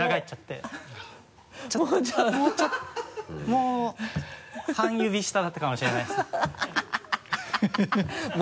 もう半指下だったかもしれないです。ハハハ